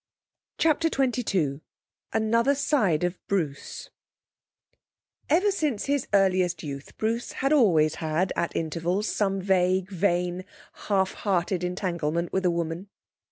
CHAPTER XXII Another Side of Bruce Ever since his earliest youth, Bruce had always had, at intervals, some vague, vain, half hearted entanglement with a woman.